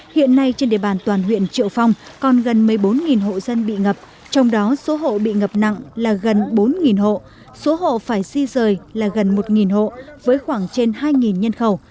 hiện nay trên địa bàn toàn huyện triệu phong còn gần một mươi bốn hộ dân bị ngập trong đó số hộ bị ngập nặng là gần bốn hộ số hộ phải di rời là gần một hộ với khoảng trên hai nhân khẩu